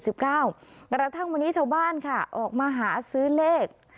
กระทั่งวันนี้ชาวบ้านค่ะออกมาหาซื้อเลข